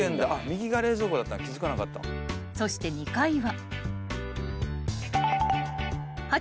［そして２階は］